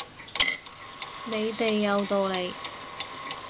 你哋有道理